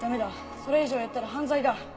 それ以上やったら犯罪だ。